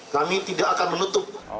kami tidak akan menutup